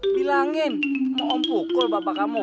bilangin mau pukul bapak kamu